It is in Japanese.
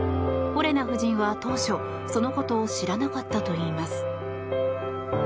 オレナ夫人は当初、そのことを知らなかったといいます。